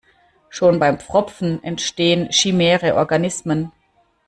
Schon beim Pfropfen entstehen chimäre Organismen.